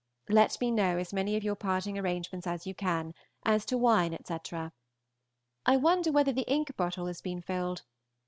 Let me know as many of your parting arrangements as you can, as to wine, etc. I wonder whether the ink bottle has been filled.